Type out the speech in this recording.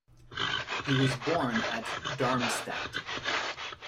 He was born at Darmstadt.